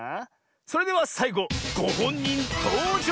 それではさいごごほんにんとうじょうクイズ！